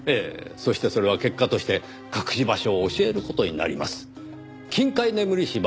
そしてそれは結果として隠し場所を教える事になります。